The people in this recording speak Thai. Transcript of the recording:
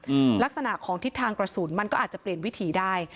อืมลักษณะของทิศทางกระสุนมันก็อาจจะเปลี่ยนวิถีได้